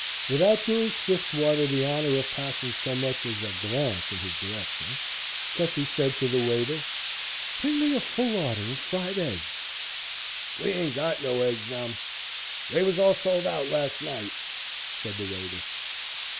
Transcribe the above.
Without doing Swiftwater the honor of passing so much as a glance in his direction, Gussie said to the waiter: "Bring me a full order of fried eggs." "We ain't got no eggs, mum; they was all sold out last night," said the waiter.